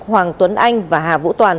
hoàng tuấn anh và hà vũ toàn